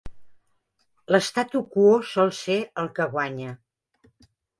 L'statu quo sol ser el que guanya.